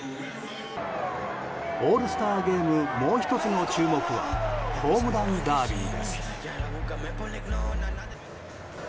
オールスターゲームもう１つの注目はホームランダービーです。